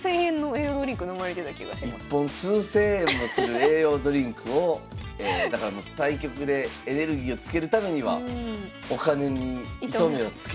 １本数千円もする栄養ドリンクをだから対局でエネルギーをつけるためにはお金に糸目をつけない。